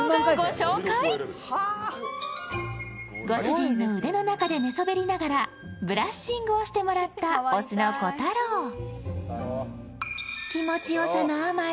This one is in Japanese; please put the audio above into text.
ご主人の腕の中で寝そべりながらブラッシングをしてもらった雄のコタロー。